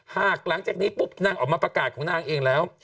หลังจากนี้ปุ๊บนางออกมาประกาศของนางเองแล้ว